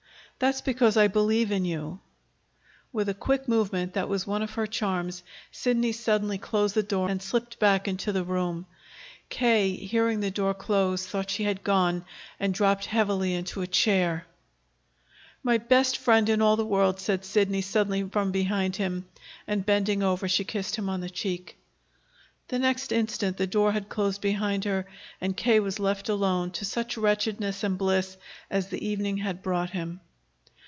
"That's because I believe in you." With a quick movement that was one of her charms, Sidney suddenly closed the door and slipped back into the room. K., hearing the door close, thought she had gone, and dropped heavily into a chair. "My best friend in all the world!" said Sidney suddenly from behind him, and, bending over, she kissed him on the cheek. The next instant the door had closed behind her, and K. was left alone to such wretchedness and bliss as the evening had brought him.